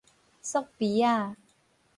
朔啡亞